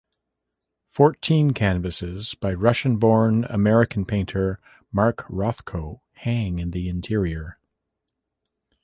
Fourteen canvases by Russian-born American painter Mark Rothko hang in the interior.